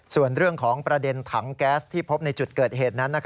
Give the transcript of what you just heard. ส่วนเรื่องของประเด็นถังแก๊สที่พบในจุดเกิดเหตุนั้น